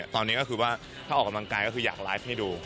ตอนนี้ก็คือว่าถ้าออกกำลังกายก็คืออยากไลฟ์ให้ดู